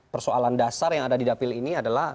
persoalan dasar yang ada di dapil ini adalah